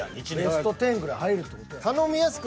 ベスト１０ぐらい入るって事や。